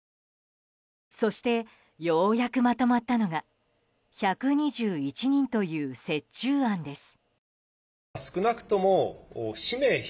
そして、ようやくまとまったのが１２１人という折衷案です。